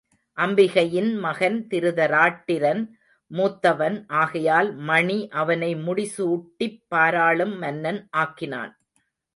அம்பிகையின் மகன் திருதராட்டிரன் மூத்தவன் ஆகையால் மணி அவனை முடி சூட்டிப் பாராளும் மன்னன் ஆக்கினான்.